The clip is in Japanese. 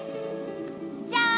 じゃん！